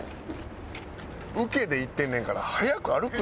受けでいってんねんから早く歩くなよ。